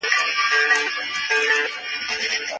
سبزیجات د بدن لپاره ګټه لري.